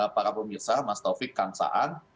para pemirsa mas taufik kang saan